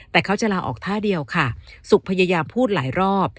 แต่เขาจะลาออกท่าเดียวค่ะสุขพยายามพูดหลายรอบ